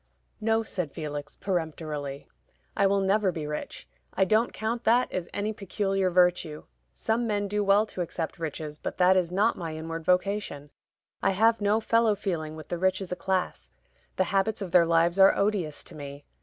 "No," said Felix, peremptorily; "I will never be rich. I don't count that as any peculiar virtue. Some men do well to accept riches, but that is not my inward vocation: I have no fellow feeling with the rich as a class; the habits of their lives are odious to me.